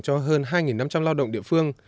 cho hơn hai năm trăm linh lao động địa phương